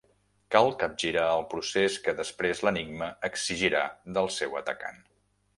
Cal capgirar el procés que després l'enigma exigirà del seu atacant.